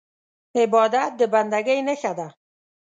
عبادت د بندګۍ نښه ده.